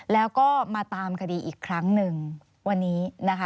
แล้วก็มาตามคดีอีกครั้งหนึ่งวันนี้นะคะ